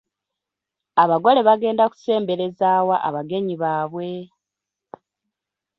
Abagole bagenda kusembereza wa abagenyi baabwe ?